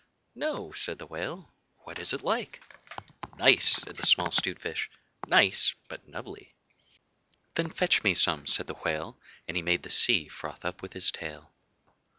'No,' said the Whale. 'What is it like?' 'Nice,' said the small 'Stute Fish. 'Nice but nubbly.' 'Then fetch me some,' said the Whale, and he made the sea froth up with his tail.